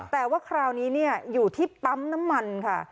แต่ว่าคราวนี้อยู่ที่ปั๊มน้ำมันค่ะ